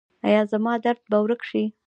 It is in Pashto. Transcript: ایا زما درد به ورک شي؟